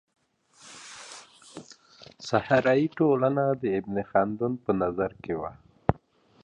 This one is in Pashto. صحرايي ټولني د ابن خلدون په نظر کي وې.